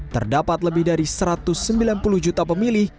terdapat lebih dari satu ratus sembilan puluh juta pemilih